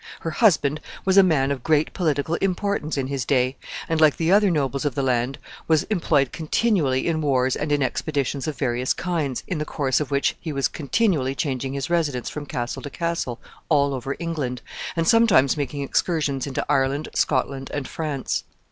Her husband was a man of great political importance in his day, and, like the other nobles of the land, was employed continually in wars and in expeditions of various kinds, in the course of which he was continually changing his residence from castle to castle all over England, and sometimes making excursions into Ireland, Scotland, and France.